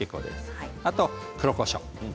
あとは黒こしょう。